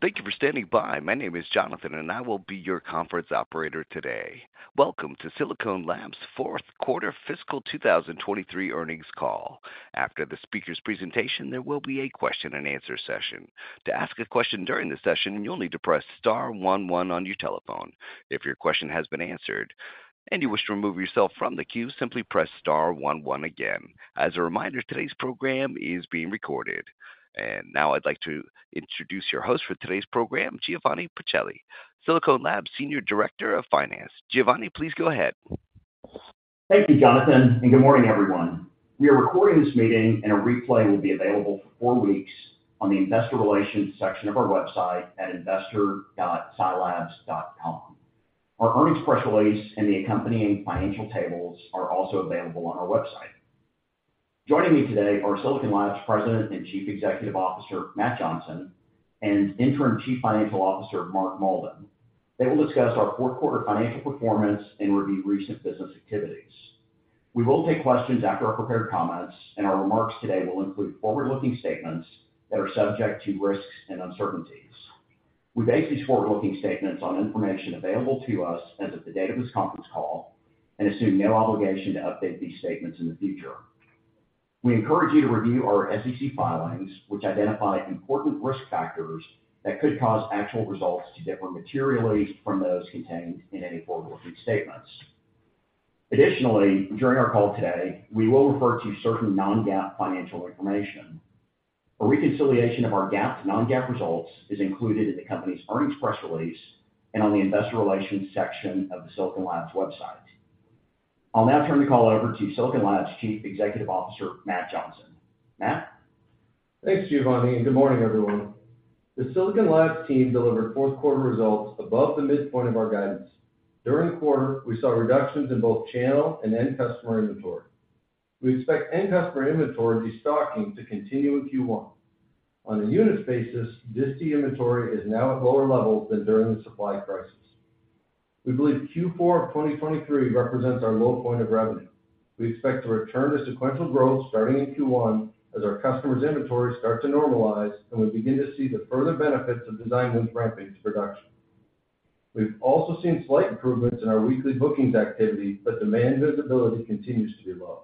Thank you for standing by. My name is Jonathan, and I will be your conference operator today. Welcome to Silicon Labs' fourth quarter fiscal 2023 earnings call. After the speaker's presentation, there will be a question-and-answer session. To ask a question during the session, you'll need to press star one one on your telephone. If your question has been answered and you wish to remove yourself from the queue, simply press star one one again. As a reminder, today's program is being recorded. Now I'd like to introduce your host for today's program, Giovanni Pacelli, Silicon Labs Senior Director of Finance. Giovanni, please go ahead. Thank you, Jonathan, and good morning, everyone. We are recording this meeting, and a replay will be available for four weeks on the Investor Relations section of our website at investor.silabs.com. Our earnings press release and the accompanying financial tables are also available on our website. Joining me today are Silicon Labs President and Chief Executive Officer, Matt Johnson, and Interim Chief Financial Officer, Mark Mauldin. They will discuss our fourth quarter financial performance and review recent business activities. We will take questions after our prepared comments, and our remarks today will include forward-looking statements that are subject to risks and uncertainties. We base these forward-looking statements on information available to us as of the date of this conference call and assume no obligation to update these statements in the future. We encourage you to review our SEC filings, which identify important risk factors that could cause actual results to differ materially from those contained in any forward-looking statements. Additionally, during our call today, we will refer to certain non-GAAP financial information. A reconciliation of our GAAP to non-GAAP results is included in the company's earnings press release and on the Investor Relations section of the Silicon Labs website. I'll now turn the call over to Silicon Labs' Chief Executive Officer, Matt Johnson. Matt? Thanks, Giovanni, and good morning, everyone. The Silicon Labs team delivered fourth quarter results above the midpoint of our guidance. During the quarter, we saw reductions in both channel and end customer inventory. We expect end customer inventory destocking to continue in Q1. On a unit basis, disti inventory is now at lower levels than during the supply crisis. We believe Q4 of 2023 represents our low point of revenue. We expect to return to sequential growth starting in Q1 as our customers' inventory starts to normalize, and we begin to see the further benefits of design wins ramping to production. We've also seen slight improvements in our weekly bookings activity, but demand visibility continues to be low.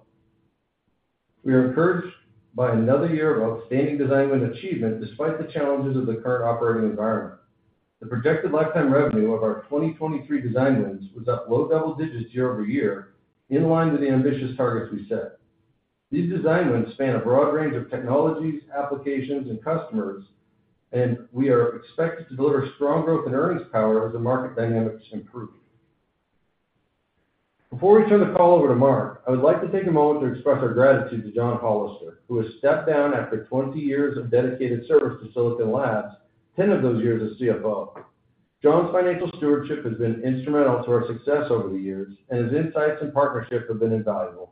We are encouraged by another year of outstanding design win achievement, despite the challenges of the current operating environment. The projected lifetime revenue of our 2023 design wins was up low double digits year-over-year, in line with the ambitious targets we set. These design wins span a broad range of technologies, applications, and customers, and we are expected to deliver strong growth and earnings power as the market dynamics improve. Before we turn the call over to Mark, I would like to take a moment to express our gratitude to John Hollister, who has stepped down after 20 years of dedicated service to Silicon Labs, 10 of those years as CFO. John's financial stewardship has been instrumental to our success over the years, and his insights and partnership have been invaluable.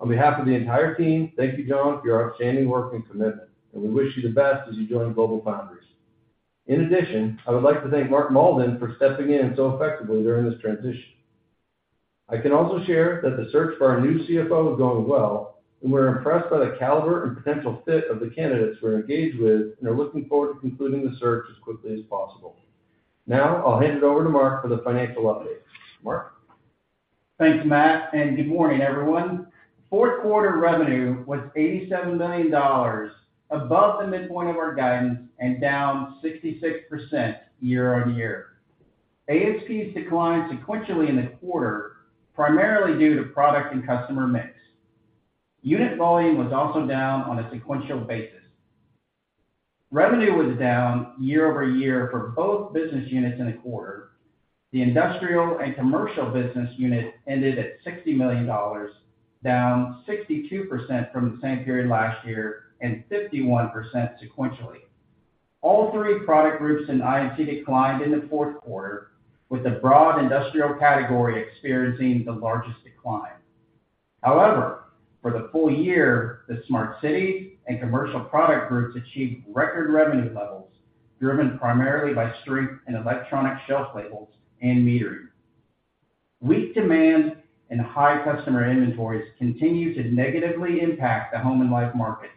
On behalf of the entire team, thank you, John, for your outstanding work and commitment, and we wish you the best as you join GlobalFoundries. In addition, I would like to thank Mark Mauldin for stepping in so effectively during this transition. I can also share that the search for our new CFO is going well, and we're impressed by the caliber and potential fit of the candidates we're engaged with, and are looking forward to concluding the search as quickly as possible. Now, I'll hand it over to Mark for the financial update. Mark? Thanks, Matt, and good morning, everyone. Fourth quarter revenue was $87 billion, above the midpoint of our guidance and down 66% year-over-year. ASPs declined sequentially in the quarter, primarily due to product and customer mix. Unit volume was also down on a sequential basis. Revenue was down year-over-year for both business units in the quarter. The industrial and commercial business unit ended at $60 million, down 62% from the same period last year and 51% sequentially. All three product groups in I&C declined in the fourth quarter, with the broad industrial category experiencing the largest decline. However, for the full year, the smart city and commercial product groups achieved record revenue levels, driven primarily by strength in electronic shelf labels and metering. Weak demand and high customer inventories continue to negatively impact the home and life markets.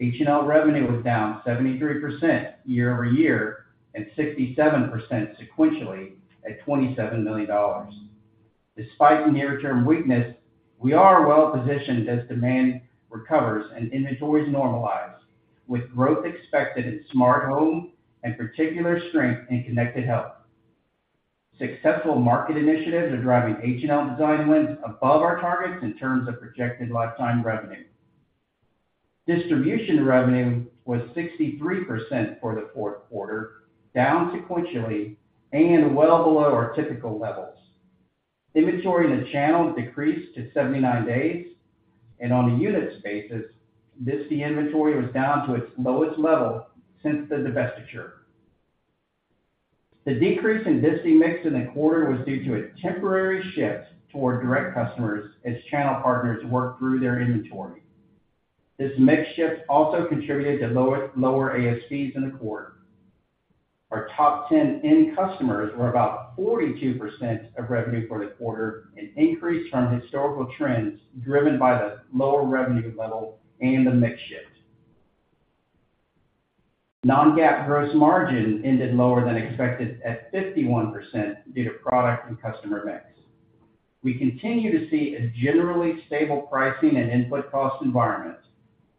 H&L revenue was down 73% year-over-year and 67% sequentially at $27 million. Despite the near-term weakness, we are well positioned as demand recovers and inventories normalize, with growth expected in smart home and particular strength in connected health. Successful market initiatives are driving H&L design wins above our targets in terms of projected lifetime revenue. Distribution revenue was 63% for the fourth quarter, down sequentially and well below our typical levels. Inventory in the channel decreased to 79 days, and on a unit basis, disti inventory was down to its lowest level since the divestiture. The decrease in disti mix in the quarter was due to a temporary shift toward direct customers as channel partners worked through their inventory. This mix shift also contributed to lower ASPs in the quarter. Our top ten end customers were about 42% of revenue for the quarter, an increase from historical trends, driven by the lower revenue level and the mix shift.... Non-GAAP gross margin ended lower than expected at 51% due to product and customer mix. We continue to see a generally stable pricing and input cost environment,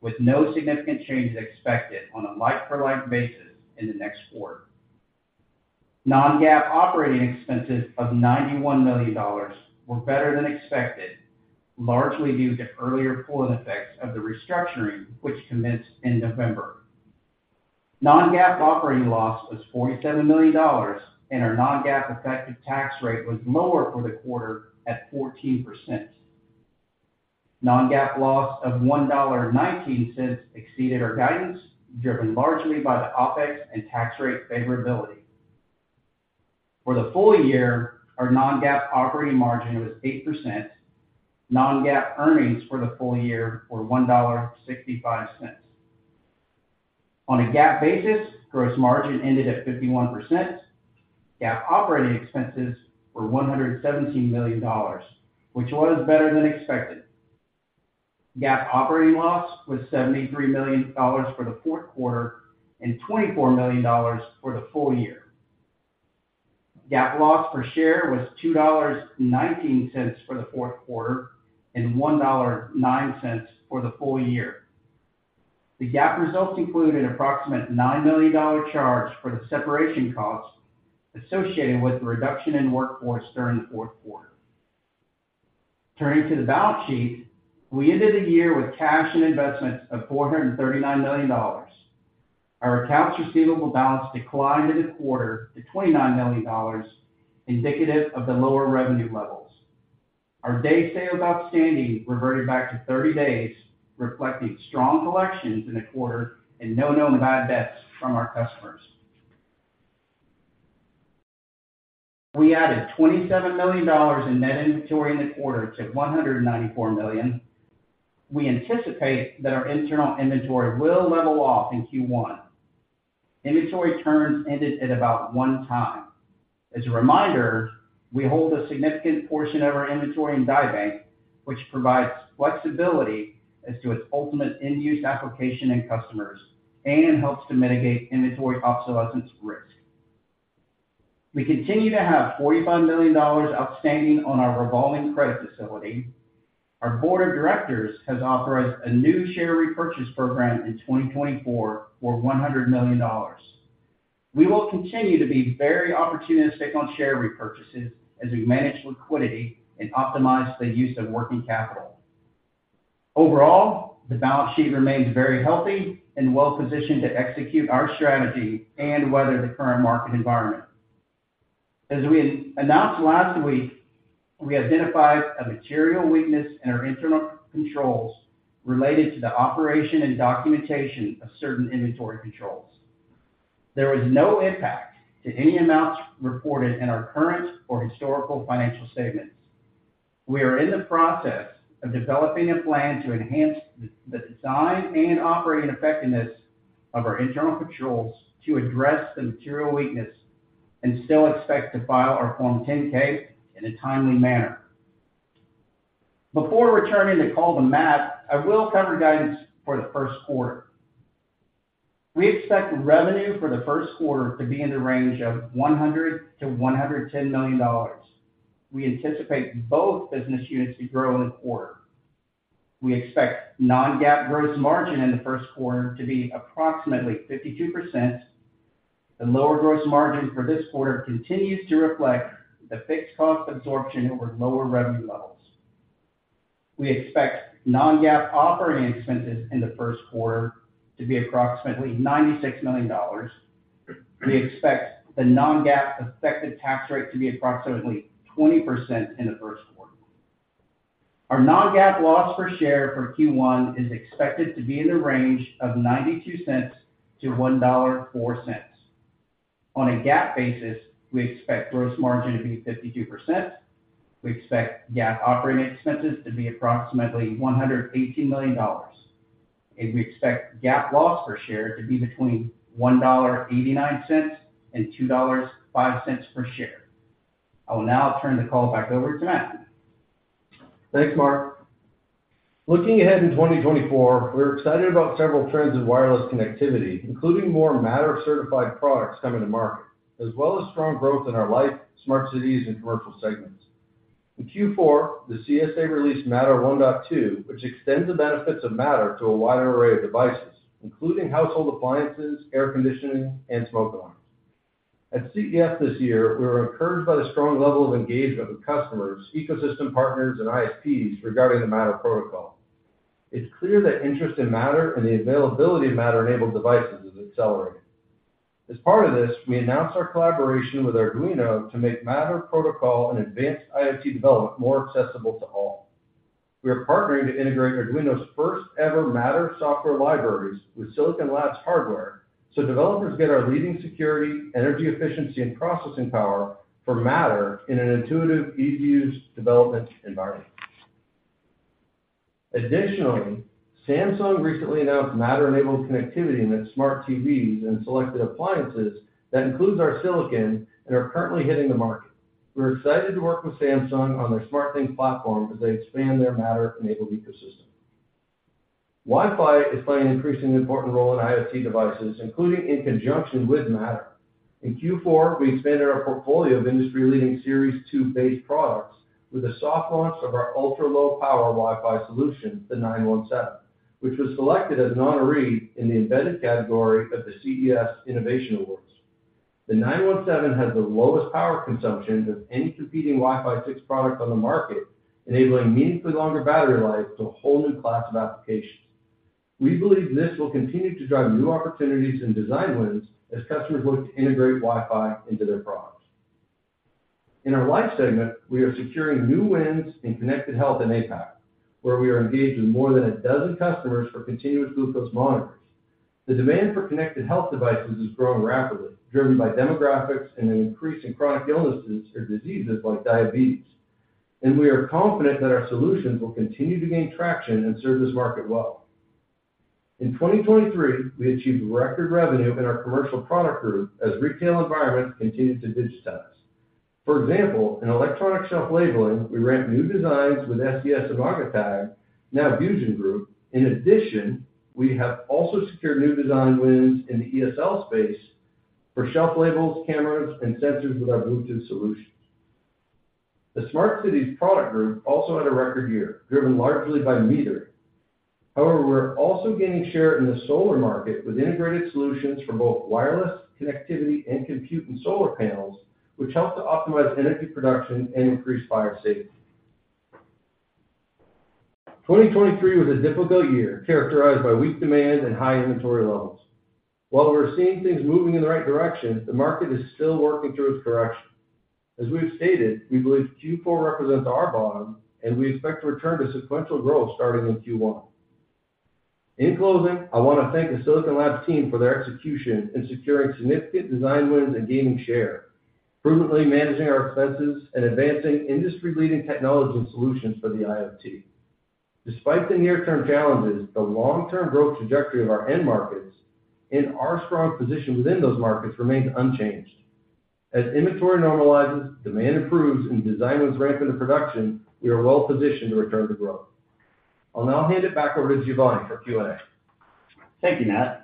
with no significant changes expected on a like-for-like basis in the next quarter. Non-GAAP operating expenses of $91 million were better than expected, largely due to earlier full effects of the restructuring, which commenced in November. Non-GAAP operating loss was $47 million, and our non-GAAP effective tax rate was lower for the quarter at 14%. Non-GAAP loss of $1.19 exceeded our guidance, driven largely by the OpEx and tax rate favorability. For the full year, our non-GAAP operating margin was 8%. Non-GAAP earnings for the full year were $1.65. On a GAAP basis, gross margin ended at 51%. GAAP operating expenses were $117 million, which was better than expected. GAAP operating loss was $73 million for the fourth quarter and $24 million for the full year. GAAP loss per share was $2.19 for the fourth quarter and $1.09 for the full year. The GAAP results include an approximate $9 million charge for the separation costs associated with the reduction in workforce during the fourth quarter. Turning to the balance sheet, we ended the year with cash and investments of $439 million. Our accounts receivable balance declined in the quarter to $29 million, indicative of the lower revenue levels. Our days sales outstanding reverted back to 30 days, reflecting strong collections in the quarter and no known bad debts from our customers. We added $27 million in net inventory in the quarter to $194 million. We anticipate that our internal inventory will level off in Q1. Inventory turns ended at about 1 time. As a reminder, we hold a significant portion of our inventory in die bank, which provides flexibility as to its ultimate end-use application and customers, and helps to mitigate inventory obsolescence risk. We continue to have $45 million outstanding on our revolving credit facility. Our board of directors has authorized a new share repurchase program in 2024 for $100 million. We will continue to be very opportunistic on share repurchases as we manage liquidity and optimize the use of working capital. Overall, the balance sheet remains very healthy and well positioned to execute our strategy and weather the current market environment. As we announced last week, we identified a material weakness in our internal controls related to the operation and documentation of certain inventory controls. There was no impact to any amounts reported in our current or historical financial statements. We are in the process of developing a plan to enhance the design and operating effectiveness of our internal controls to address the material weakness and still expect to file our Form 10-K in a timely manner. Before returning the call to Matt, I will cover guidance for the first quarter. We expect revenue for the first quarter to be in the range of $100 million-$110 million. We anticipate both business units to grow in the quarter. We expect non-GAAP gross margin in the first quarter to be approximately 52%. The lower gross margin for this quarter continues to reflect the fixed cost absorption over lower revenue levels. We expect non-GAAP operating expenses in the first quarter to be approximately $96 million. We expect the non-GAAP effective tax rate to be approximately 20% in the first quarter. Our non-GAAP loss per share for Q1 is expected to be in the range of $0.92-$1.04. On a GAAP basis, we expect gross margin to be 52%. We expect GAAP operating expenses to be approximately $118 million, and we expect GAAP loss per share to be between $1.89 and $2.05 per share. I will now turn the call back over to Matt. Thanks, Mark. Looking ahead in 2024, we're excited about several trends in wireless connectivity, including more Matter-certified products coming to market, as well as strong growth in our life, smart cities, and commercial segments. In Q4, the CSA released Matter 1.2, which extends the benefits of Matter to a wider array of devices, including household appliances, air conditioning, and smoke alarms. At CES this year, we were encouraged by the strong level of engagement with customers, ecosystem partners, and ISPs regarding the Matter protocol. It's clear that interest in Matter and the availability of Matter-enabled devices is accelerating. As part of this, we announced our collaboration with Arduino to make Matter protocol and advanced IoT development more accessible to all. We are partnering to integrate Arduino's first-ever Matter software libraries with Silicon Labs' hardware, so developers get our leading security, energy efficiency, and processing power for Matter in an intuitive, easy-to-use development environment. Additionally, Samsung recently announced Matter-enabled connectivity in its smart TVs and selected appliances that includes our silicon and are currently hitting the market.... We're excited to work with Samsung on their SmartThings platform as they expand their Matter-enabled ecosystem. Wi-Fi is playing an increasingly important role in IoT devices, including in conjunction with Matter. In Q4, we expanded our portfolio of industry-leading Series 2-based products with the soft launch of our ultra-low power Wi-Fi solution, the 917, which was selected as an honoree in the Embedded category of the CES Innovation Awards. The 917 has the lowest power consumption of any competing Wi-Fi 6 product on the market, enabling meaningfully longer battery life to a whole new class of applications. We believe this will continue to drive new opportunities and design wins as customers look to integrate Wi-Fi into their products. In our Life segment, we are securing new wins in connected health in APAC, where we are engaged with more than a dozen customers for continuous glucose monitors. The demand for connected health devices is growing rapidly, driven by demographics and an increase in chronic illnesses or diseases like diabetes, and we are confident that our solutions will continue to gain traction and serve this market well. In 2023, we achieved record revenue in our commercial product group as retail environments continued to digitize. For example, in electronic shelf labeling, we ramped new designs with SES-imagotag, now VusionGroup. In addition, we have also secured new design wins in the ESL space for shelf labels, cameras, and sensors with our Bluetooth solutions. The Smart Cities product group also had a record year, driven largely by meters. However, we're also gaining share in the solar market with integrated solutions for both wireless connectivity and compute and solar panels, which help to optimize energy production and increase fire safety. 2023 was a difficult year, characterized by weak demand and high inventory levels. While we're seeing things moving in the right direction, the market is still working through its correction. As we've stated, we believe Q4 represents our bottom, and we expect to return to sequential growth starting in Q1. In closing, I want to thank the Silicon Labs team for their execution in securing significant design wins and gaining share, prudently managing our expenses, and advancing industry-leading technology and solutions for the IoT. Despite the near-term challenges, the long-term growth trajectory of our end markets and our strong position within those markets remains unchanged. As inventory normalizes, demand improves, and design wins ramp into production, we are well positioned to return to growth. I'll now hand it back over to Giovanni for Q&A. Thank you, Matt.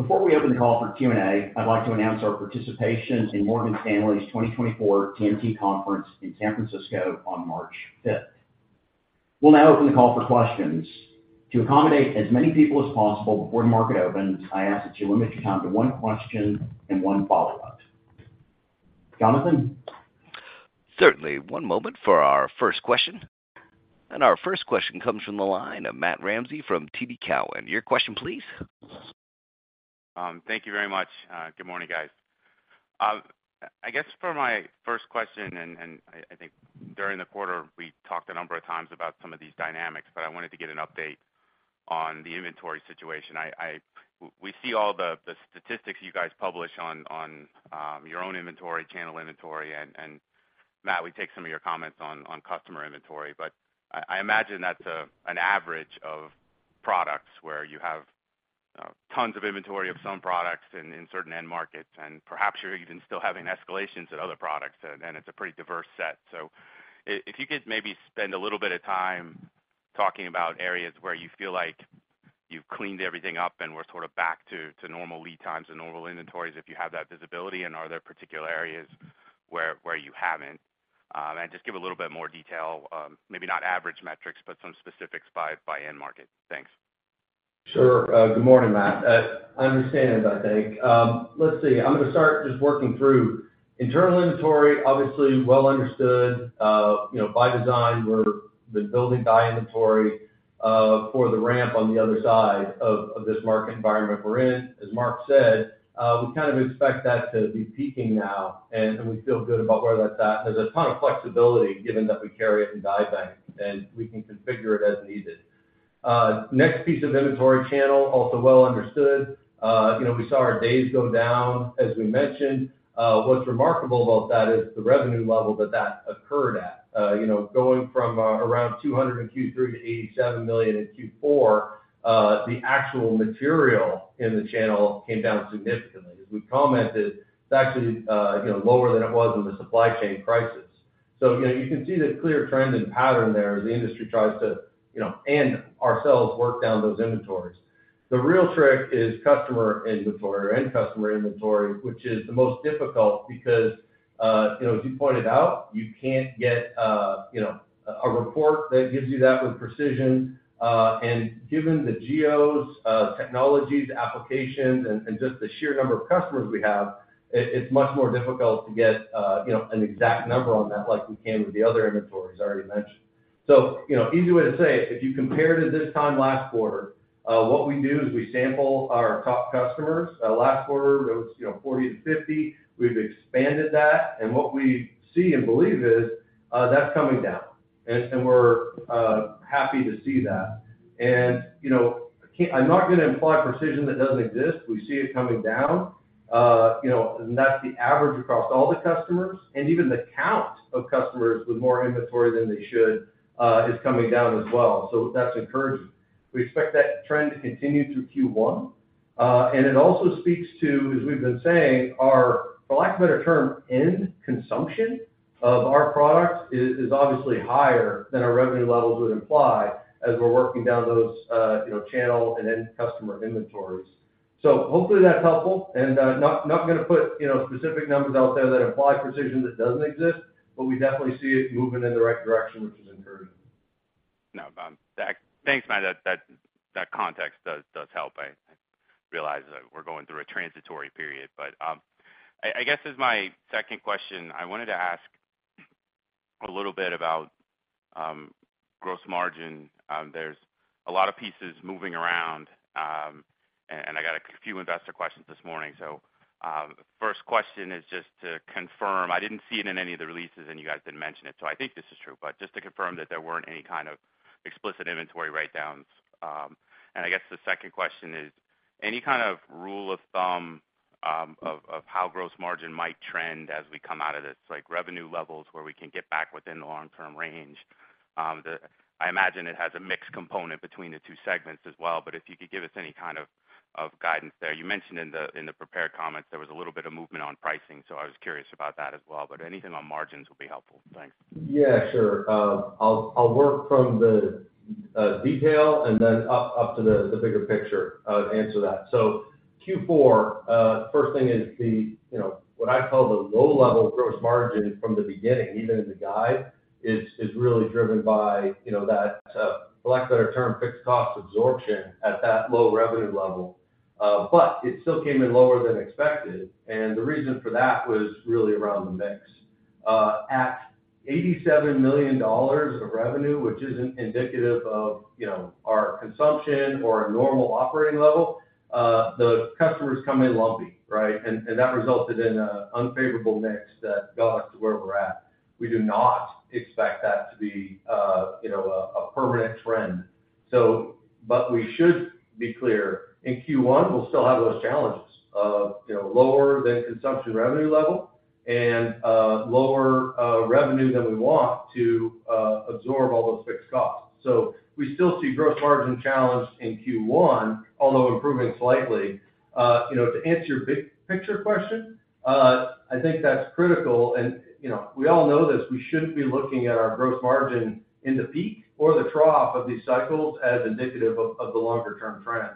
Before we open the call for Q&A, I'd like to announce our participation in Morgan Stanley's 2024 TMT Conference in San Francisco on March 5th. We'll now open the call for questions. To accommodate as many people as possible before the market opens, I ask that you limit your time to one question and one follow-up. Jonathan? Certainly. One moment for our first question. Our first question comes from the line of Matt Ramsay from TD Cowen. Your question, please. Thank you very much. Good morning, guys. I guess for my first question, I think during the quarter, we talked a number of times about some of these dynamics, but I wanted to get an update on the inventory situation. We see all the statistics you guys publish on your own inventory, channel inventory, and Matt, we take some of your comments on customer inventory, but I imagine that's an average of products where you have tons of inventory of some products and in certain end markets, and perhaps you're even still having escalations at other products, and it's a pretty diverse set. So if you could maybe spend a little bit of time talking about areas where you feel like you've cleaned everything up and we're sort of back to normal lead times and normal inventories, if you have that visibility, and are there particular areas where you haven't? And just give a little bit more detail, maybe not average metrics, but some specifics by end market. Thanks. Sure. Good morning, Matt. I understand, I think. Let's see. I'm gonna start just working through. Internal inventory, obviously well understood. You know, by design, we're building die inventory for the ramp on the other side of this market environment we're in. As Mark said, we kind of expect that to be peaking now, and we feel good about where that's at. There's a ton of flexibility, given that we carry it in die bank, and we can configure it as needed. Next piece of inventory channel, also well understood. You know, we saw our days go down, as we mentioned. What's remarkable about that is the revenue level that that occurred at. You know, going from around $200 million in Q3 to $87 million in Q4, the actual material in the channel came down significantly. As we've commented, it's actually, you know, lower than it was in the supply chain crisis. So, you know, you can see the clear trend and pattern there as the industry tries to, you know, and ourselves, work down those inventories. The real trick is customer inventory or end customer inventory, which is the most difficult because, you know, as you pointed out, you can't get, you know, a report that gives you that with precision. And given the geos, technologies, applications, and just the sheer number of customers we have, it, it's much more difficult to get, you know, an exact number on that like we can with the other inventories I already mentioned. So, you know, easy way to say it, if you compare to this time last quarter, what we do is we sample our top customers. Last quarter, it was, you know, 40-50. We've expanded that, and what we see and believe is, that's coming down, and we're happy to see that. You know, I can't. I'm not gonna imply precision that doesn't exist. We see it coming down, you know, and that's the average across all the customers, and even the count of customers with more inventory than they should is coming down as well. So that's encouraging. We expect that trend to continue through Q1. And it also speaks to, as we've been saying, our, for lack of a better term, end consumption of our products is obviously higher than our revenue levels would imply as we're working down those, you know, channel and end customer inventories. So hopefully that's helpful, and, not gonna put, you know, specific numbers out there that imply precision that doesn't exist, but we definitely see it moving in the right direction, which is encouraging. No, thanks, Matt. That context does help. I realize that we're going through a transitory period. But, I guess as my second question, I wanted to ask a little bit about gross margin. There's a lot of pieces moving around, and I got a few investor questions this morning. So, first question is just to confirm: I didn't see it in any of the releases, and you guys didn't mention it, so I think this is true. But just to confirm that there weren't any kind of explicit inventory write-downs. And I guess the second question is: Any kind of rule of thumb of how gross margin might trend as we come out of this, like revenue levels, where we can get back within the long-term range? I imagine it has a mixed component between the two segments as well, but if you could give us any kind of guidance there. You mentioned in the prepared comments, there was a little bit of movement on pricing, so I was curious about that as well, but anything on margins will be helpful. Thanks. Yeah, sure. I'll, I'll work from the detail and then up, up to the bigger picture to answer that. So Q4, first thing is the, you know, what I call the low-level gross margin from the beginning, even in the guide, is, is really driven by, you know, that, for lack of a better term, fixed cost absorption at that low revenue level. But it still came in lower than expected, and the reason for that was really around the mix. At $87 million of revenue, which isn't indicative of, you know, our consumption or our normal operating level, the customers come in lumpy, right? And, and that resulted in an unfavorable mix that got us to where we're at. We do not expect that to be, you know a permanent trend. So, but we should be clear, in Q1, we'll still have those challenges of, you know, lower than consumption revenue level and lower revenue than we want to absorb all those fixed costs. So we still see gross margin challenge in Q1, although improving slightly. You know, to answer your big picture question, I think that's critical and, you know, we all know this, we shouldn't be looking at our gross margin in the peak or the trough of these cycles as indicative of the longer-term trend.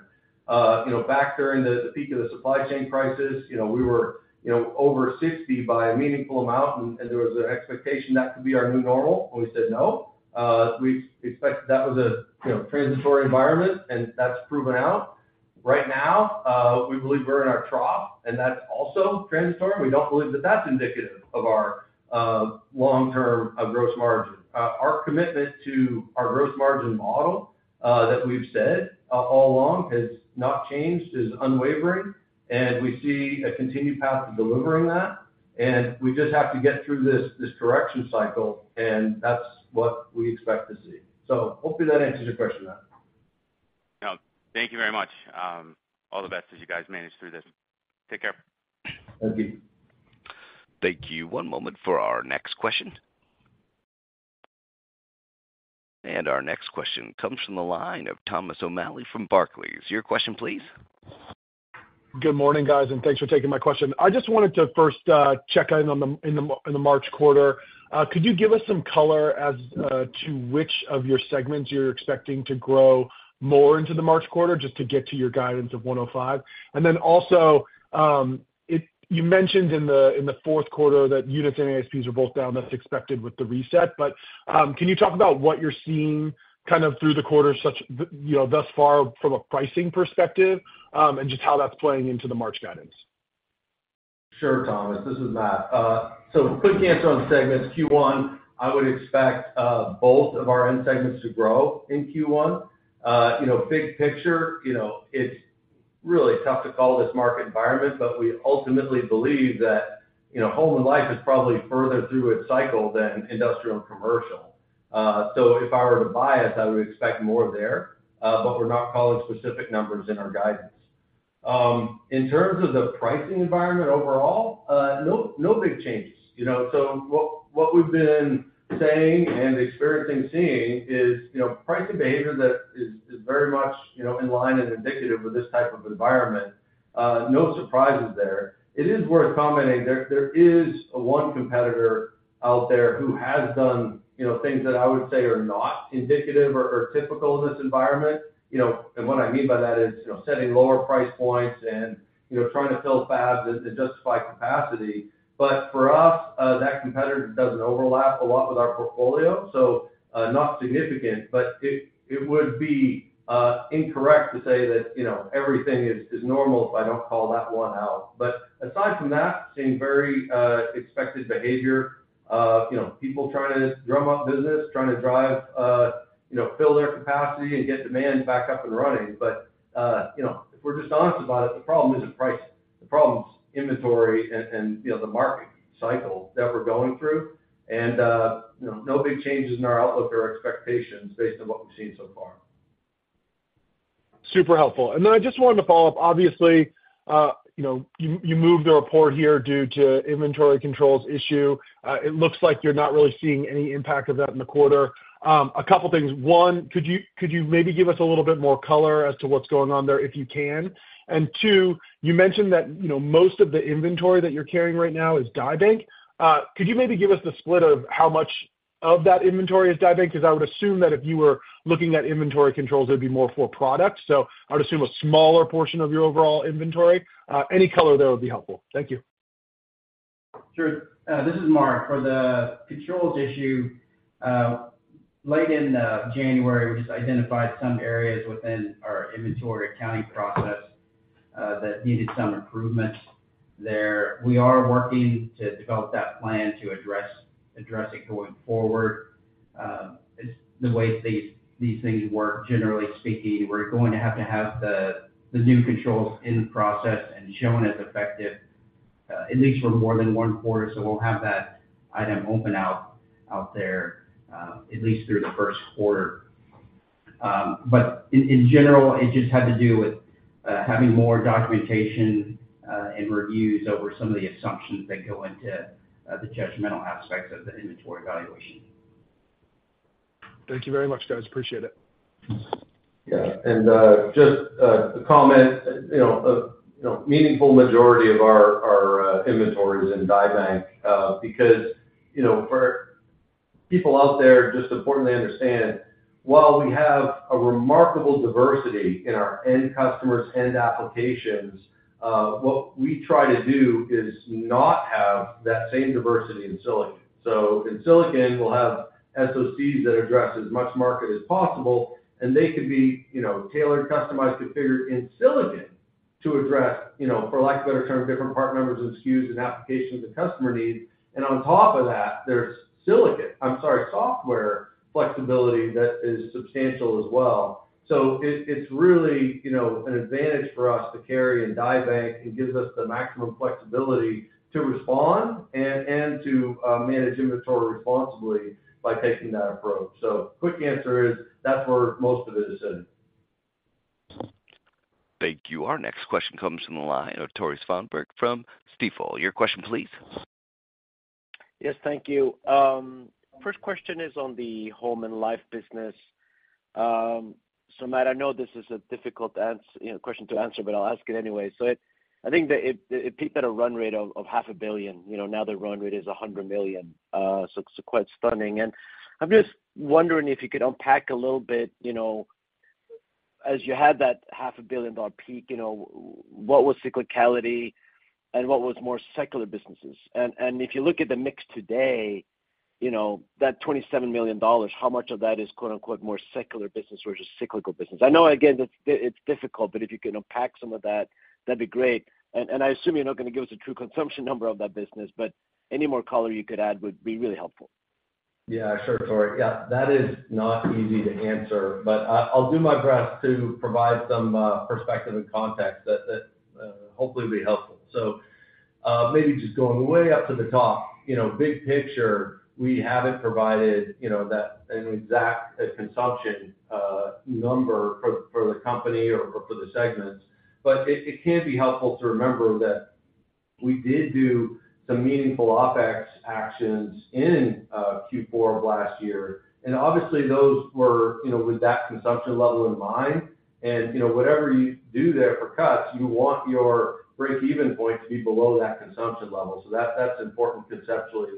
You know, back during the peak of the supply chain prices, you know, we were, you know, over 60% by a meaningful amount, and there was an expectation that could be our new normal, and we said, no. We expected that was a, you know, transitory environment, and that's proven out. Right now, we believe we're in our trough, and that's also transitory. We don't believe that that's indicative of our, long-term, gross margin. Our commitment to our gross margin model, that we've said all along, has not changed, is unwavering, and we see a continued path to delivering that. And we just have to get through this, this correction cycle, and that's what we expect to see. So hopefully that answers your question, Matt. Yep. Thank you very much. All the best as you guys manage through this. Take care. Thank you. Thank you. One moment for our next question. Our next question comes from the line of Thomas O'Malley from Barclays. Your question, please. Good morning, guys, and thanks for taking my question. I just wanted to first check in on the March quarter. Could you give us some color as to which of your segments you're expecting to grow more into the March quarter, just to get to your guidance of $105? And then also, it. You mentioned in the fourth quarter that units and ASPs are both down, that's expected with the reset. But can you talk about what you're seeing kind of through the quarter, you know, thus far from a pricing perspective, and just how that's playing into the March guidance? Sure, Thomas, this is Matt. So quick answer on segments, Q1, I would expect both of our end segments to grow in Q1. You know, big picture, you know, it's really tough to call this market environment, but we ultimately believe that, you know, home and life is probably further through its cycle than industrial and commercial. So if I were to buy it, I would expect more there, but we're not calling specific numbers in our guidance. In terms of the pricing environment overall, no, no big changes, you know? So what, what we've been saying and experiencing, seeing is, you know, pricing behavior that is, is very much, you know, in line and indicative of this type of environment. No surprises there. It is worth commenting, there is one competitor out there who has done, you know, things that I would say are not indicative or typical in this environment. You know, and what I mean by that is, you know, setting lower price points and, you know, trying to fill fabs and justify capacity. But for us, that competitor doesn't overlap a lot with our portfolio, so, not significant, but it would be incorrect to say that, you know, everything is normal if I don't call that one out. But aside from that, seeing very expected behavior of, you know, people trying to drum up business, trying to drive, you know, fill their capacity and get demand back up and running. But, you know, if we're just honest about it, the problem isn't pricing. The problem is inventory and, you know, the market cycle that we're going through. And, you know, no big changes in our outlook or expectations based on what we've seen so far. Super helpful. And then I just wanted to follow up, obviously, you know, you moved the report here due to inventory controls issue. It looks like you're not really seeing any impact of that in the quarter. A couple things. One, could you maybe give us a little bit more color as to what's going on there, if you can? And two, you mentioned that, you know, most of the inventory that you're carrying right now is die bank. Could you maybe give us the split of how much of that inventory is die bank? Because I would assume that if you were looking at inventory controls, it would be more for product. So I'd assume a smaller portion of your overall inventory. Any color there would be helpful. Thank you. Sure. This is Mark. For the controls issue, late in January, we just identified some areas within our inventory accounting process that needed some improvement there. We are working to develop that plan to address it going forward. The way these things work, generally speaking, we're going to have to have the new controls in the process and shown as effective at least for more than one quarter. So we'll have that item open out there at least through the first quarter. But in general, it just had to do with having more documentation and reviews over some of the assumptions that go into the judgmental aspects of the inventory valuation. Thank you very much, guys. Appreciate it. Yeah. And just to comment, you know, a meaningful majority of our inventory is in die bank, because, you know, for people out there, just importantly understand, while we have a remarkable diversity in our end customers, end applications, what we try to do is not have that same diversity in silicon. So in silicon, we'll have SoCs that address as much market as possible, and they could be, you know, tailored, customized, configured in silicon to address, you know, for lack of a better term, different part numbers and SKUs and applications the customer needs. And on top of that, there's silicon. I'm sorry, software flexibility that is substantial as well. So it, it's really, you know, an advantage for us to carry in die bank. It gives us the maximum flexibility to respond and to manage inventory responsibly by taking that approach. So quick answer is, that's where most of it is sitting. Thank you. Our next question comes from the line of Tore Svanberg from Stifel. Your question, please. Yes, thank you. First question is on the home and life business. So Matt, I know this is a difficult answer you know, question to answer, but I'll ask it anyway. So I, I think that it, it peaked at a run rate of $500 million, you know, now the run rate is $100 million, so it's quite stunning. And I'm just wondering if you could unpack a little bit, you know, as you had that $500 million dollar peak, you know, what was cyclicality and what was more secular businesses? And, and if you look at the mix today, you know, that $27 million dollars, how much of that is "more secular business" versus cyclical business? I know, again, it's, it's difficult, but if you can unpack some of that, that'd be great. I assume you're not going to give us a true consumption number of that business, but any more color you could add would be really helpful. Yeah, sure, Tore. Yeah, that is not easy to answer, but I'll do my best to provide some perspective and context that hopefully will be helpful. So, maybe just going way up to the top, you know, big picture, we haven't provided, you know, that an exact consumption number for the company or for the segments, but it can be helpful to remember that we did do some meaningful OpEx actions in Q4 of last year. And obviously, those were, you know, with that consumption level in mind. And, you know, whatever you do there for cuts, you want your break-even point to be below that consumption level. So that's important conceptually,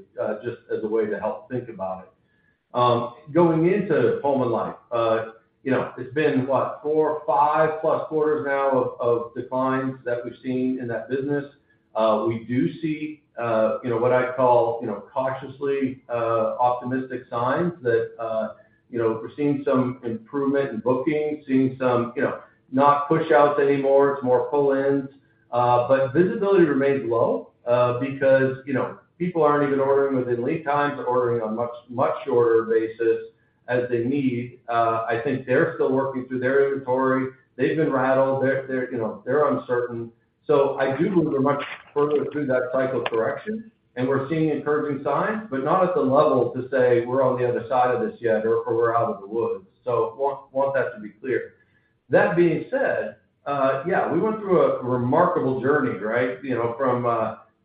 just as a way to help think about it. Going into home and life, you know, it's been what? 4, 5+ quarters now of, of declines that we've seen in that business. We do see, you know, what I call, you know, cautiously, optimistic signs that, you know, we're seeing some improvement in booking, seeing some, you know, not pushouts anymore, it's more pull-ins. But visibility remains low, because, you know, people aren't even ordering within lead times, they're ordering on much, much shorter basis as they need. I think they're still working through their inventory. They've been rattled. They're, they're, you know, they're uncertain. So I do believe we're much further through that cycle correction, and we're seeing encouraging signs, but not at the level to say we're on the other side of this yet or, or we're out of the woods. So want, want that to be clear. That being said, yeah, we went through a remarkable journey, right? You know, from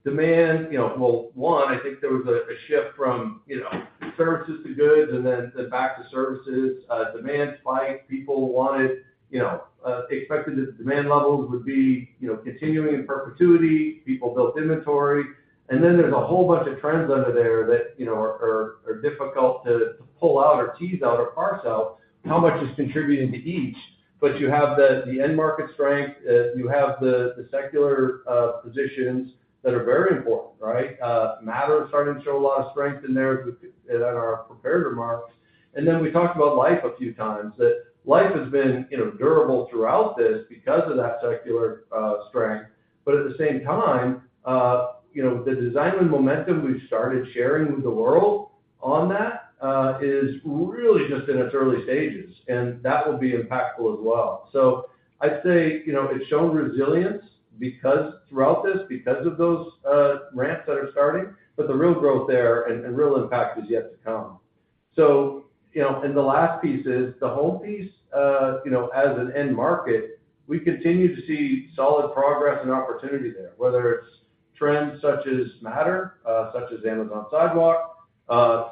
demand, you know. Well, one, I think there was a shift from, you know, services to goods and then back to services, demand spike. People wanted, you know, expected that the demand levels would be, you know, continuing in perpetuity. People built inventory. And then there's a whole bunch of trends under there that, you know, are difficult to pull out or tease out or parse out how much is contributing to each. But you have the end market strength, you have the secular positions that are very important, right? Matter is starting to show a lot of strength in there, in our prepared remarks. And then we talked about life a few times, that life has been, you know, durable throughout this because of that secular strength. But at the same time, you know, the design and momentum we've started sharing with the world on that is really just in its early stages, and that will be impactful as well. So I'd say, you know, it's shown resilience because throughout this, because of those ramps that are starting, but the real growth there and, and real impact is yet to come. So, you know, and the last piece is the home piece, you know, as an end market, we continue to see solid progress and opportunity there, whether it's trends such as Matter, such as Amazon Sidewalk,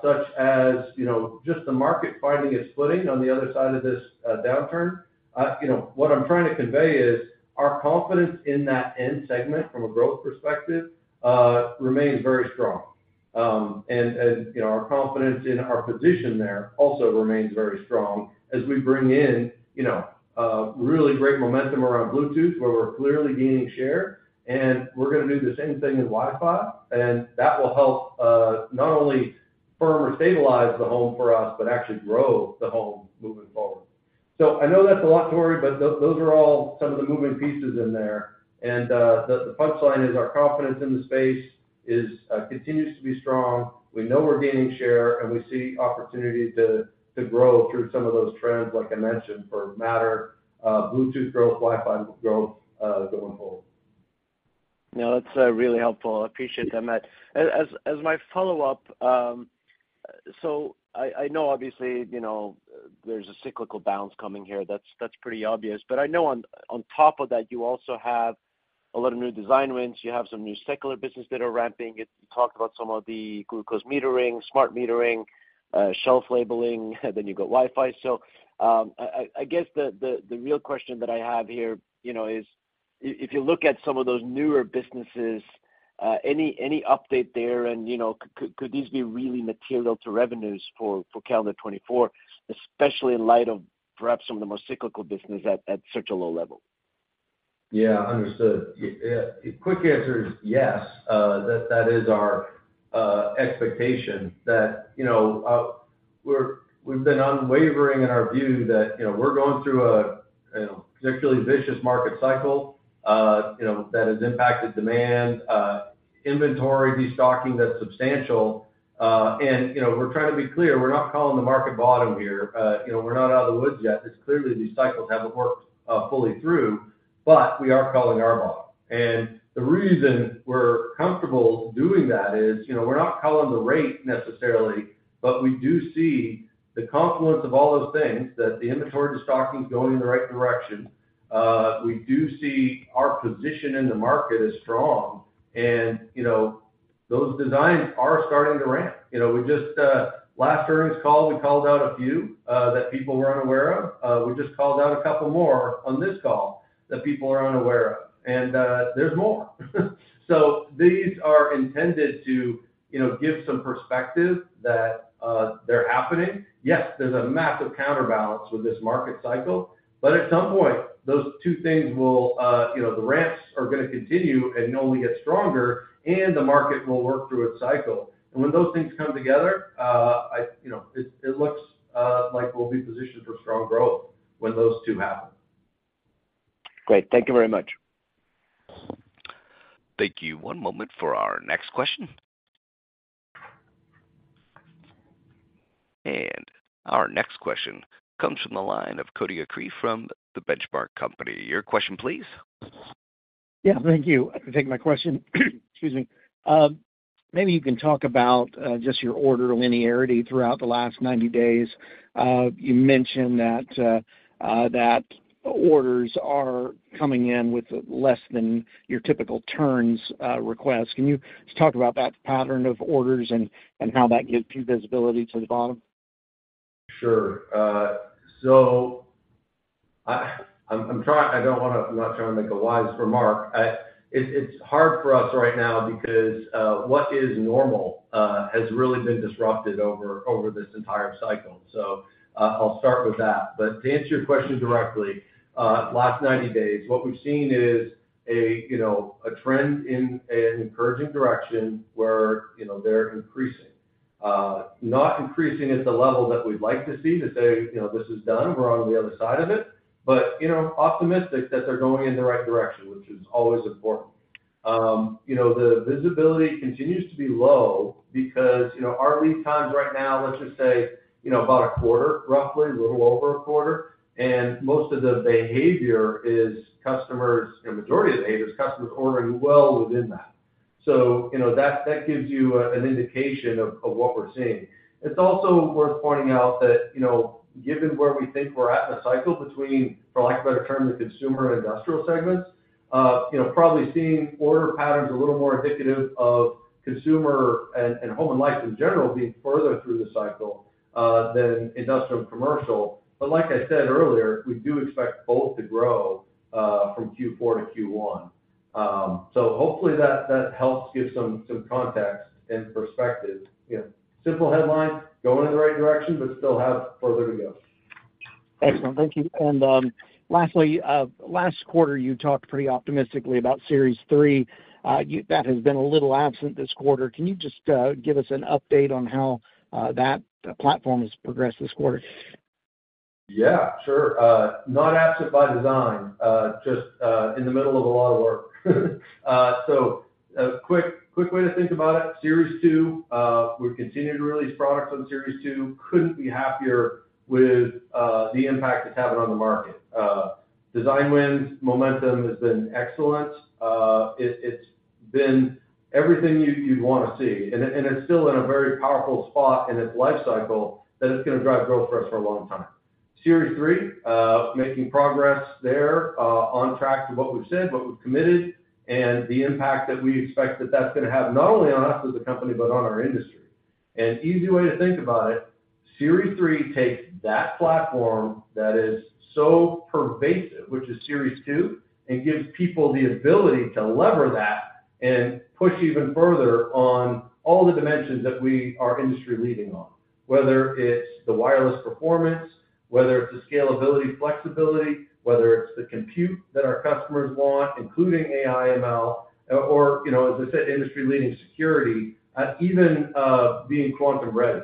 such as, you know, just the market finding its footing on the other side of this downturn. You know, what I'm trying to convey is, our confidence in that end segment from a growth perspective, remains very strong. And, you know, our confidence in our position there also remains very strong as we bring in, you know, really great momentum around Bluetooth, where we're clearly gaining share, and we're gonna do the same thing with Wi-Fi. And that will help, not only firm or stabilize the home for us, but actually grow the home moving forward. So I know that's a lot to worry, but those are all some of the moving pieces in there. And, the punch line is our confidence in the space is, continues to be strong. We know we're gaining share, and we see opportunity to grow through some of those trends, like I mentioned, for Matter, Bluetooth growth, Wi-Fi growth, going forward. No, that's really helpful. I appreciate that, Matt. As my follow-up, so I know, obviously, you know, there's a cyclical balance coming here, that's pretty obvious. But I know on top of that, you also have a lot of new design wins. You have some new secular business that are ramping. You talked about some of the glucose metering, smart metering, shelf labeling, then you've got Wi-Fi. So, I guess the real question that I have here, you know, is if you look at some of those newer businesses, any update there and, you know, could these be really material to revenues for calendar 2024, especially in light of perhaps some of the more cyclical business at such a low level? Yeah. Understood. Quick answer is yes, that, that is our expectation that, you know, we're—we've been unwavering in our view that, you know, we're going through a, you know, particularly vicious market cycle, that has impacted demand, inventory, destocking, that's substantial. And, you know, we're trying to be clear, we're not calling the market bottom here. You know, we're not out of the woods yet. It's clearly these cycles haven't worked fully through, but we are calling our bottom. And the reason we're comfortable doing that is, you know, we're not calling the rate necessarily, but we do see the confluence of all those things, that the inventory destocking is going in the right direction. We do see our position in the market is strong, and, you know, those designs are starting to ramp. You know, we just last earnings call, we called out a few that people were unaware of. We just called out a couple more on this call that people are unaware of, and there's more. So these are intended to, you know, give some perspective that they're happening. Yes, there's a massive counterbalance with this market cycle, but at some point, those two things will, you know, the ramps are gonna continue and only get stronger, and the market will work through its cycle. And when those things come together, I, you know, it looks like we'll be positioned for strong growth when those two happen. Great. Thank you very much. Thank you. One moment for our next question. Our next question comes from the line of Cody Acree from The Benchmark Company. Your question, please. Yeah. Thank you. I can take my question. Excuse me. Maybe you can talk about just your order linearity throughout the last 90 days. You mentioned that orders are coming in with less than your typical turns request. Can you just talk about that pattern of orders and how that gives you visibility to the bottom? Sure. So, I'm trying—I don't wanna... I'm not trying to make a wise remark. It's hard for us right now because what is normal has really been disrupted over this entire cycle. So, I'll start with that. But to answer your question directly, last 90 days, what we've seen is a trend in an encouraging direction where, you know, they're increasing. Not increasing at the level that we'd like to see to say, you know, this is done, we're on the other side of it, but, you know, optimistic that they're going in the right direction, which is always important. You know, the visibility continues to be low because, you know, our lead times right now, let's just say, you know, about a quarter, roughly, a little over a quarter, and most of the behavior is customers, you know, majority of the behavior is customers ordering well within that. So, you know, that gives you an indication of what we're seeing. It's also worth pointing out that, you know, given where we think we're at in the cycle between, for lack of a better term, the consumer and industrial segments, you know, probably seeing order patterns a little more indicative of consumer and home and life in general being further through the cycle than industrial and commercial. But like I said earlier, we do expect both to grow from Q4-Q1. So hopefully that helps give some context and perspective. You know, simple headline, going in the right direction, but still have further to go. Excellent. Thank you. And lastly, last quarter, you talked pretty optimistically about Series 3. That has been a little absent this quarter. Can you just give us an update on how that platform has progressed this quarter? Yeah, sure. Not absent by design, just in the middle of a lot of work. So a quick, quick way to think about it, Series 2, we've continued to release products on Series 2. Couldn't be happier with the impact it's having on the market. Design wins, momentum has been excellent. It's been everything you'd want to see, and it's still in a very powerful spot in its life cycle that it's gonna drive growth for us for a long time. Series 3, making progress there, on track to what we've said, what we've committed, and the impact that we expect that's gonna have, not only on us as a company, but on our industry. An easy way to think about it, Series 3 takes that platform that is so pervasive, which is Series 2, and gives people the ability to lever that and push even further on all the dimensions that we are industry-leading on, whether it's the wireless performance, whether it's the scalability, flexibility, whether it's the compute that our customers want, including AI, ML, or, you know, as I said, industry-leading security, even being quantum-ready.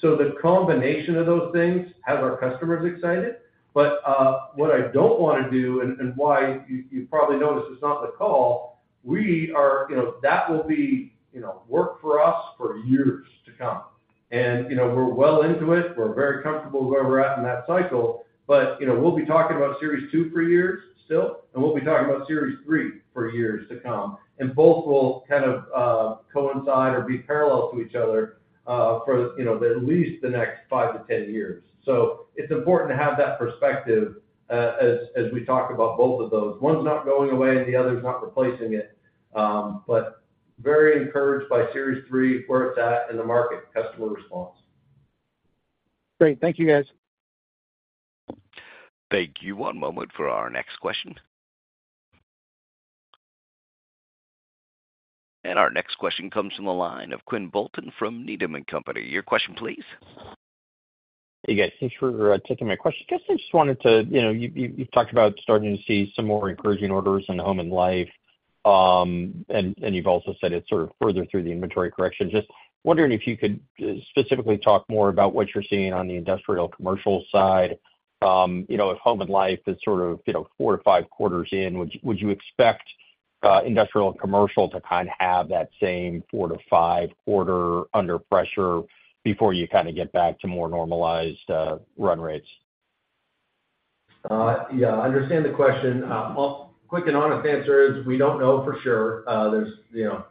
So the combination of those things have our customers excited. But what I don't want to do, and why you've probably noticed it's not the call, we are, you know... That will be, you know, work for us for years to come. And, you know, we're well into it. We're very comfortable where we're at in that cycle, but, you know, we'll be talking about Series 2 for years still, and we'll be talking about Series 3 for years to come. Both will kind of coincide or be parallel to each other for, you know, at least the next 5-10 years. So it's important to have that perspective as we talk about both of those. One's not going away and the other's not replacing it. But very encouraged by Series 3, where it's at in the market, customer response. Great. Thank you, guys. Thank you. One moment for our next question. Our next question comes from the line of Quinn Bolton from Needham and Company. Your question, please. Hey, guys. Thanks for taking my question. I guess I just wanted to... You know, you've talked about starting to see some more encouraging orders in Home and Life, and you've also said it's sort of further through the inventory correction. Just wondering if you could specifically talk more about what you're seeing on the industrial commercial side. You know, if Home and Life is sort of, you know, 4-5 quarters in, would you expect industrial and commercial to kind of have that same 4-5 quarter under pressure before you kind of get back to more normalized run rates? Yeah, I understand the question. Well, quick and honest answer is we don't know for sure. There's, you know,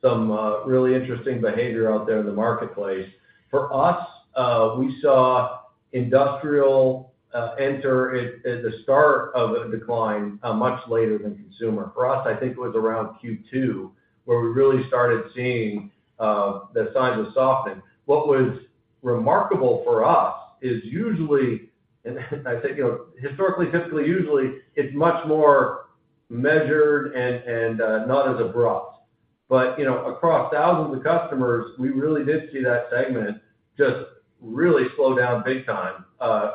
some really interesting behavior out there in the marketplace. For us, we saw industrial entering at the start of a decline, much later than consumer. For us, I think it was around Q2, where we really started seeing the signs of softening. What was remarkable for us is usually, and I think, historically, typically, usually, it's much more measured and not as abrupt. But, you know, across thousands of customers, we really did see that segment just really slow down big time,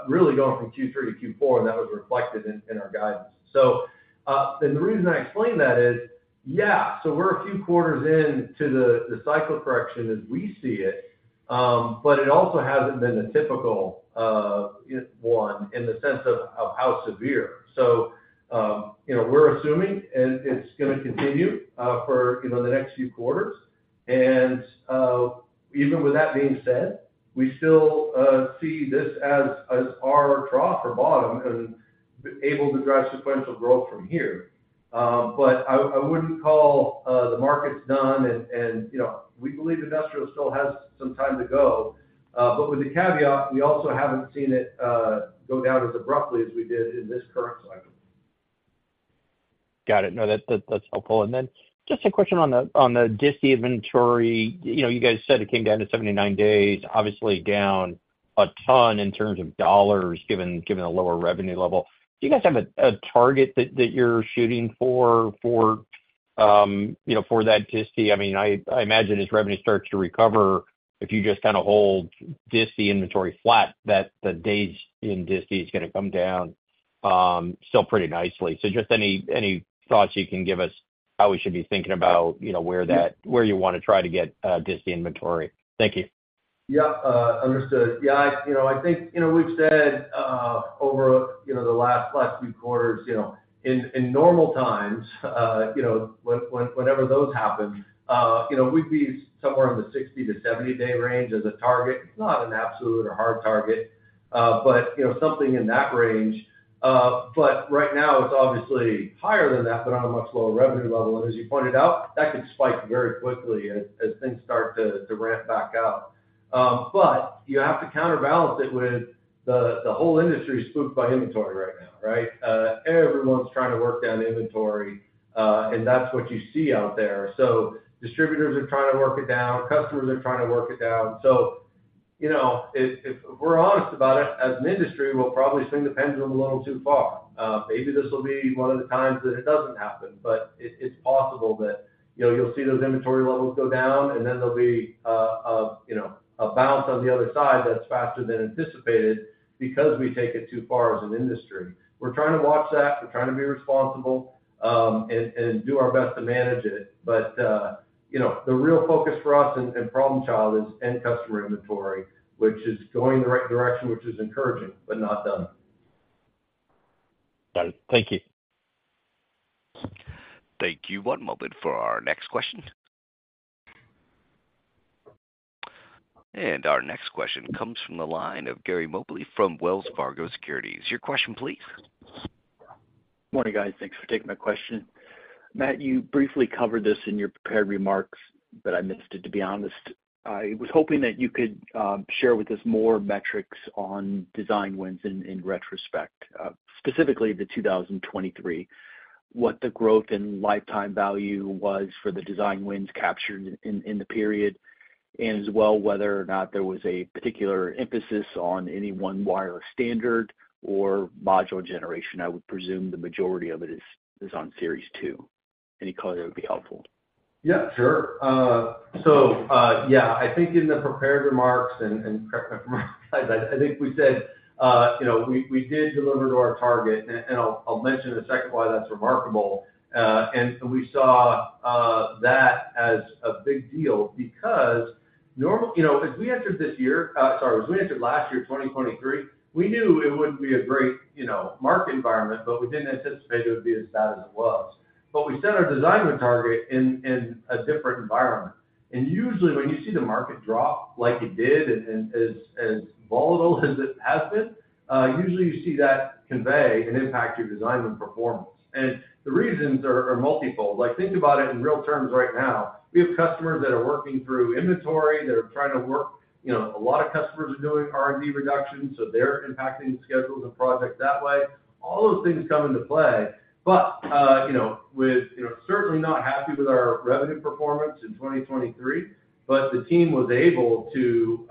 really going from Q3-Q4, and that was reflected in our guidance. So, and the reason I explain that is, yeah, so we're a few quarters into the cycle correction as we see it, but it also hasn't been a typical one in the sense of how severe. So, you know, we're assuming, and it's gonna continue for, you know, the next few quarters. And, even with that being said, we still see this as our trough or bottom and able to drive sequential growth from here. But I wouldn't call the markets done, and, you know, we believe industrial still has some time to go, but with the caveat, we also haven't seen it go down as abruptly as we did in this current cycle. Got it. No, that's helpful. And then just a question on the Disti inventory. You know, you guys said it came down to 79 days, obviously down a ton in terms of dollars, given the lower revenue level. Do you guys have a target that you're shooting for for that Disti? I mean, I imagine as revenue starts to recover, if you just kind of hold Disti inventory flat, that the days in Disti is gonna come down still pretty nicely. So just any thoughts you can give us how we should be thinking about, you know, where that- where you want to try to get Disti inventory? Thank you. Yeah, understood. Yeah, I, you know, I think, you know, we've said over, you know, the last few quarters, you know, in normal times, you know, whenever those happen, you know, we'd be somewhere in the 60-70-day range as a target. It's not an absolute or hard target, but, you know, something in that range. But right now it's obviously higher than that, but on a much lower revenue level. And as you pointed out, that could spike very quickly as things start to ramp back up. But you have to counterbalance it with the whole industry is spooked by inventory right now, right? Everyone's trying to work down inventory, and that's what you see out there. So distributors are trying to work it down, customers are trying to work it down. So, you know, if we're honest about it, as an industry, we'll probably swing the pendulum a little too far. Maybe this will be one of the times that it doesn't happen, but it's possible that, you know, you'll see those inventory levels go down, and then there'll be a bounce on the other side that's faster than anticipated because we take it too far as an industry. We're trying to watch that. We're trying to be responsible and do our best to manage it. But you know, the real focus for us and problem child is end customer inventory, which is going in the right direction, which is encouraging, but not done. Got it. Thank you. Thank you. One moment for our next question. ...And our next question comes from the line of Gary Mobley from Wells Fargo Securities. Your question, please. Morning, guys. Thanks for taking my question. Matt, you briefly covered this in your prepared remarks, but I missed it, to be honest. I was hoping that you could share with us more metrics on design wins in retrospect, specifically 2023, what the growth and lifetime value was for the design wins captured in the period, and as well, whether or not there was a particular emphasis on any one wireless standard or module generation. I would presume the majority of it is on Series 2. Any color would be helpful. Yeah, sure. So, yeah, I think in the prepared remarks and, and I think we said, you know, we, we did deliver to our target, and, and I'll, I'll mention in a second why that's remarkable. And so we saw, that as a big deal because normal, you know, as we entered this year, sorry, as we entered last year, 2023, we knew it wouldn't be a great, you know, market environment, but we didn't anticipate it would be as bad as it was. But we set our design win target in, in a different environment. And usually, when you see the market drop like it did and, and as, as volatile as it has been, usually you see that convey and impact your design win performance. And the reasons are, are multifold. Like, think about it in real terms right now, we have customers that are working through inventory, that are trying to work, you know, a lot of customers are doing R&D reductions, so they're impacting schedules and projects that way. All those things come into play. But, you know, with, you know, certainly not happy with our revenue performance in 2023, but the team was able to,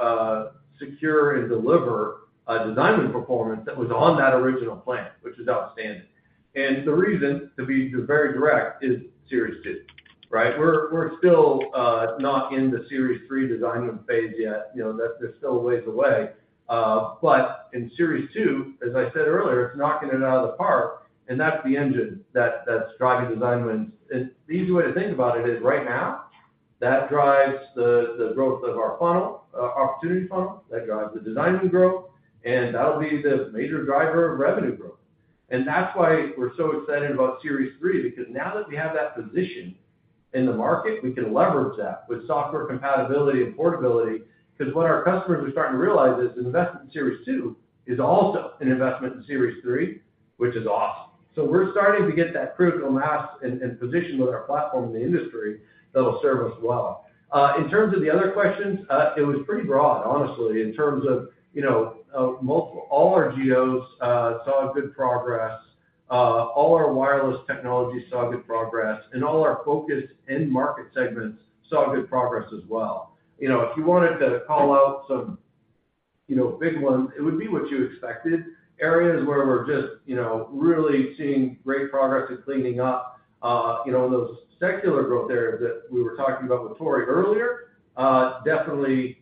secure and deliver a design win performance that was on that original plan, which is outstanding. And the reason, to be just very direct, is Series 2, right? We're still, not in the Series 3 design win phase yet. You know, that's still a ways away. But in Series 2, as I said earlier, it's knocking it out of the park, and that's the engine that's driving design wins. The easy way to think about it is, right now, that drives the growth of our funnel, opportunity funnel, that drives the design win growth, and that'll be the major driver of revenue growth. That's why we're so excited about Series 3, because now that we have that position in the market, we can leverage that with software compatibility and portability. Because what our customers are starting to realize is investment in Series 2 is also an investment in Series 3, which is awesome. We're starting to get that critical mass and position with our platform in the industry that will serve us well. In terms of the other questions, it was pretty broad, honestly, in terms of, you know, multiple all our geos saw good progress, all our wireless technologies saw good progress, and all our focused end market segments saw good progress as well. You know, if you wanted to call out some, you know, big ones, it would be what you expected. Areas where we're just, you know, really seeing great progress in cleaning up, you know, those secular growth areas that we were talking about with Tory earlier, definitely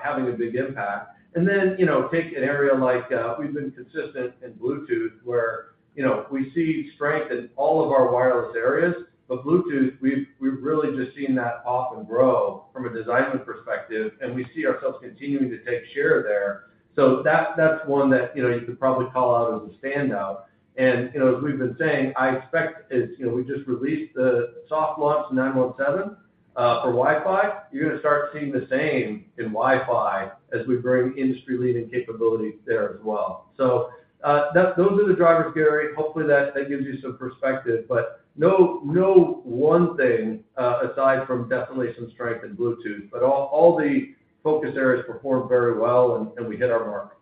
having a big impact. And then, you know, take an area like, we've been consistent in Bluetooth, where, you know, we see strength in all of our wireless areas, but Bluetooth, we've really just seen that take off and grow from a design win perspective, and we see ourselves continuing to take share there. So that's one that, you know, you could probably call out as a standout. And, you know, as we've been saying, I expect as, you know, we just released the soft launch 917 for Wi-Fi. You're gonna start seeing the same in Wi-Fi as we bring industry-leading capabilities there as well. So, that's those are the drivers, Gary. Hopefully, that gives you some perspective. But no, no one thing aside from definitely some strength in Bluetooth, but all the focus areas performed very well, and we hit our mark.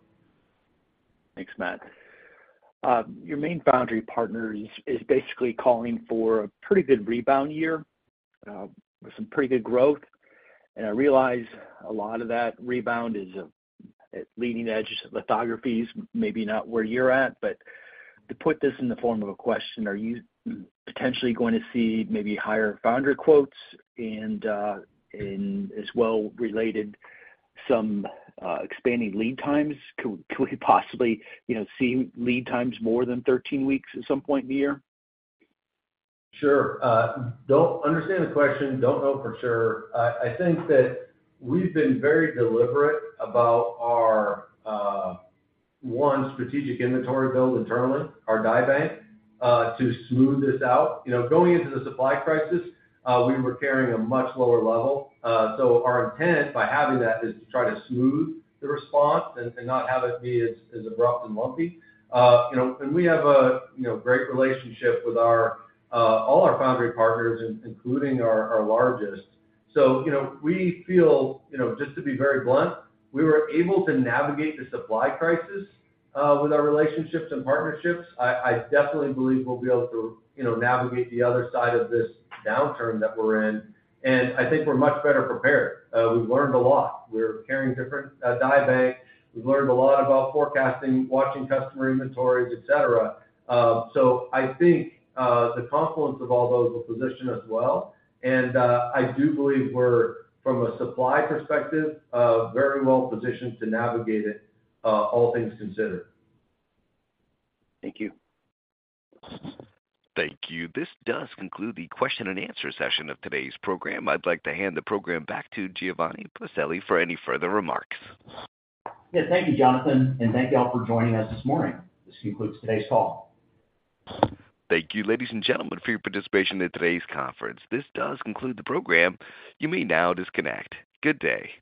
Thanks, Matt. Your main foundry partner is basically calling for a pretty good rebound year with some pretty good growth. And I realize a lot of that rebound is leading-edge lithography, maybe not where you're at, but to put this in the form of a question, are you potentially going to see maybe higher foundry quotes and as well related some expanding lead times? Could we possibly, you know, see lead times more than 13 weeks at some point in the year? Sure. Don't understand the question, don't know for sure. I think that we've been very deliberate about our strategic inventory build internally, our die bank, to smooth this out. You know, going into the supply crisis, we were carrying a much lower level. So our intent by having that is to try to smooth the response and not have it be as abrupt and lumpy. You know, and we have a great relationship with our all our foundry partners, including our largest. So, you know, we feel, you know, just to be very blunt, we were able to navigate the supply crisis with our relationships and partnerships. I definitely believe we'll be able to, you know, navigate the other side of this downturn that we're in, and I think we're much better prepared. We've learned a lot. We're carrying different die bank. We've learned a lot about forecasting, watching customer inventories, et cetera. So I think the confluence of all those will position us well, and I do believe we're, from a supply perspective, very well positioned to navigate it, all things considered. Thank you. Thank you. This does conclude the question and answer session of today's program. I'd like to hand the program back to Giovanni Pacelli for any further remarks. Yeah. Thank you, Jonathan, and thank you all for joining us this morning. This concludes today's call. Thank you, ladies and gentlemen, for your participation in today's conference. This does conclude the program. You may now disconnect. Good day.